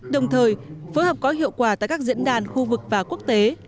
đồng thời phối hợp có hiệu quả tại các diễn đàn khu vực và quốc tế